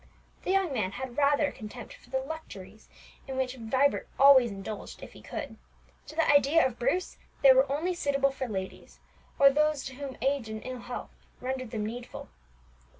The young man had rather a contempt for the luxuries in which Vibert always indulged if he could; to the idea of Bruce they were only suitable for ladies, or those to whom age or ill health rendered them needful.